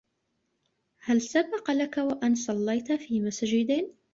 هل سبق لك و أن صلّيت في مسجد؟